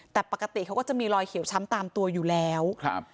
แต่ปกติเขาก็จะมีรอยเขียวช้ำตามตัวอยู่แล้วครับ